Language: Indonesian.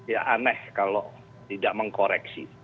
ya aneh kalau tidak mengkoreksi